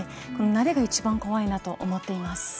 慣れが一番怖いなと思っています。